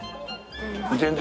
全然。